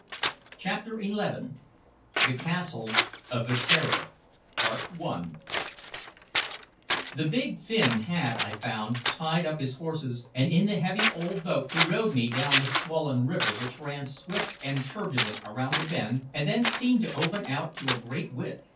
CHAPTER XI THE CASTLE OF THE TERROR The big Finn had, I found, tied up his horses, and in the heavy old boat he rowed me down the swollen river which ran swift and turbulent around a sudden bend and then seemed to open out to a great width.